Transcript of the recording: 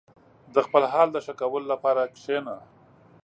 • د خپل حال د ښه کولو لپاره کښېنه.